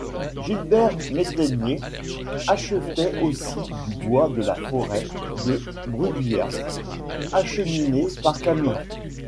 Gilbert Métenier achetait aussi du bois de la forêt de Brugheas, acheminé par camions.